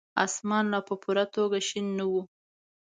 اسمان لا په پوره توګه شين نه وو.